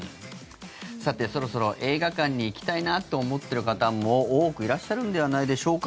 さて、そろそろ映画館に行きたいなと思っている方も多くいらっしゃるのではないでしょうか？